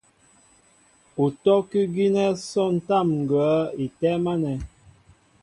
Utɔ́' kʉ́ gínɛ́ sɔntám ŋgwα̌ í tɛ́ɛ́m ánɛ̄.